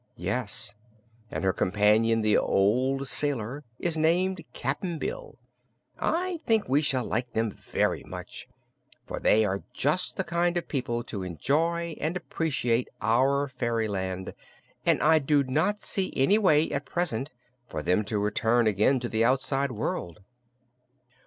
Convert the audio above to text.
"Yes; and her companion, the old sailor, is named Cap'n Bill. I think we shall like them very much, for they are just the kind of people to enjoy and appreciate our fairyland and I do not see any way, at present, for them to return again to the outside world."